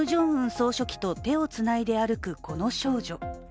総書記と手をつないで歩く、この少女。